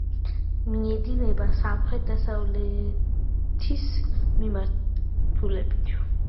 მიედინება სამხრეთ-დასავლეთის მიმართულებით.